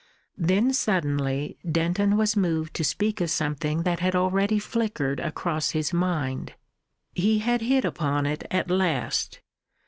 Then suddenly Denton was moved to speak of something that had already flickered across his mind. He had hit upon it at last.